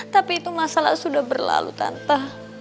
tapi itu masalah sudah berlalu tanpa